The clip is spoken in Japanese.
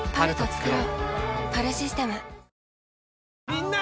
みんな！